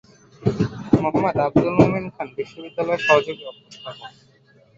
মুহাম্মদ আবদুল মুনিম খান বিশ্ববিদ্যালয়ের সহযোগী অধ্যাপক।